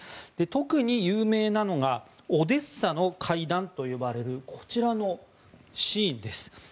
特に有名なのがオデッサの階段と呼ばれるこちらのシーンです。